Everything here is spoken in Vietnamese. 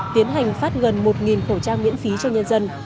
tiến hành phát gần một khẩu trang miễn phí